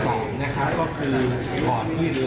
แต่อย่างไรก็ตามเหมือนเรือจมไปแล้ว